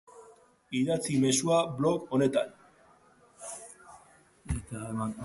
Idatzi mezua blog honetan.